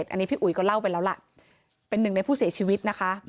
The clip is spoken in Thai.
อันนี้พี่อุ๋ยก็เล่าไปแล้วล่ะเป็นหนึ่งในผู้เสียชีวิตนะคะ